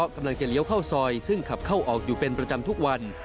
กำลังจะเลี้ยวเข้าซอยซึ่งขับเข้าออกอยู่เป็นประจำทุกวัน